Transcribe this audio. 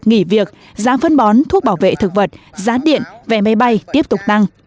nghỉ việc giá phân bón thuốc bảo vệ thực vật giá điện vẻ máy bay tiếp tục năng